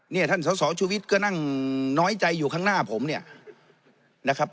ท่านสอสอชุวิตก็นั่งน้อยใจอยู่ข้างหน้าผมเนี่ยนะครับ